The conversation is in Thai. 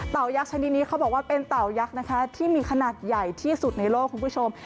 เตยักษ์ชนิดนี้เขาบอกว่าเป็นเต่ายักษ์นะคะที่มีขนาดใหญ่ที่สุดในโลกคุณผู้ชม